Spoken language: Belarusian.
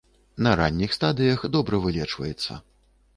На ранніх стадыях добра вылечваецца.